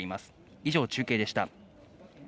以上、中継でした。